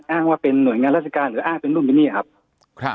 อ้างว่าเป็นหน่วยงานราชการหรืออ้างเป็นนู่นเป็นนี่ครับ